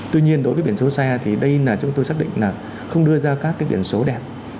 tuy nhiên đối với biển số xe thì đây là chúng tôi xác định là không đưa ra các biển số đẹp